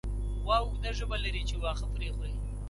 غوا اوږده ژبه لري چې واښه پرې خوري.